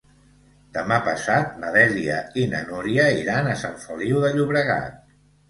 Demà passat na Dèlia i na Núria iran a Sant Feliu de Llobregat.